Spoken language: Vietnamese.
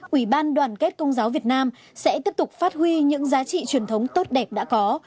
ủy ban đoàn kết công giáo việt nam sẽ tiếp tục phát huy những giá trị truyền thống tốt đẹp đã có